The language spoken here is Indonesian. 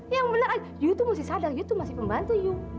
yang bener ayah you tuh mesti sadar you tuh masih pembantu you